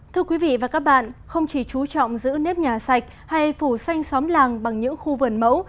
thưa quý vị và các bạn không chỉ chú trọng giữ nếp nhà sạch hay phủ xanh xóm làng bằng những khu vườn mẫu